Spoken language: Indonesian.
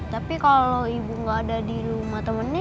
tapi kalau ibu gak ada di rumah temennya gimana